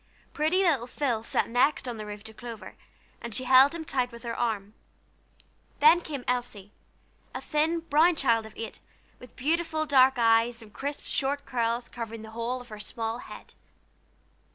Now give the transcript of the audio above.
Pretty little Phil sat next on the roof to Clover, and she held him tight with her arm. Then came Elsie, a thin, brown child of eight, with beautiful dark eyes, and crisp, short curls covering the whole of her small head.